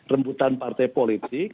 rembutan partai politik